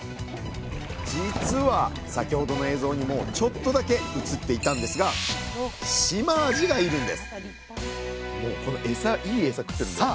実は先ほどの映像にもちょっとだけ映っていたんですがシマアジがいるんですさあ